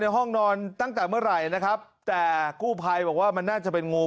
ห้องนอนตั้งแต่เมื่อไหร่นะครับแต่กู้ภัยบอกว่ามันน่าจะเป็นงู